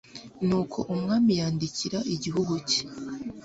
nuko umwami yandikira igihugu cye